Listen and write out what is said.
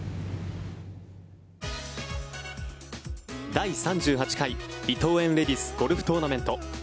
第３８回伊藤園レディスゴルフトーナメント。